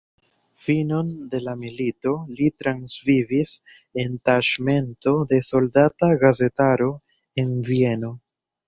Finon de la milito li transvivis en taĉmento de soldata gazetaro en Vieno.